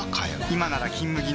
今なら「金麦」